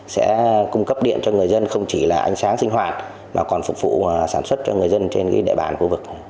sẽ cung cấp điện cho người dân không chỉ là ánh sáng sinh hoạt mà còn phục vụ sản xuất cho người dân trên địa bàn khu vực